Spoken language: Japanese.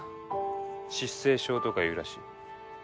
失声症とかいうらしい。